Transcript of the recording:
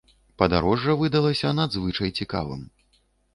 Падарожжа выдалася надзвычай цікавым.